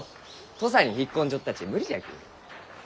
土佐に引っ込んじょったち無理じゃき。